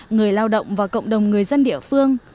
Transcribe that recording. người lao động và cộng đồng người dân địa phương